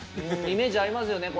イメージありますよね